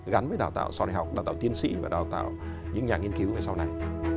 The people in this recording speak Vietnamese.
gắn với đào tạo sau đại học đào tạo tiên sĩ và đào tạo những nhà nghiên cứu về sau này